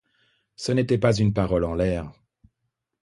Ce n'était pas une parole en l'air.